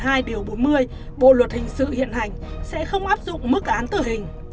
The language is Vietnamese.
ngày bộ luật hình sự hiện hành sẽ không áp dụng mức án tử hình